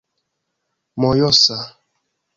mojosa